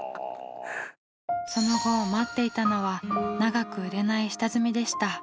その後待っていたのは長く売れない下積みでした。